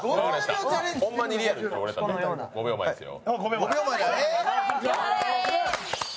５秒前ですよ。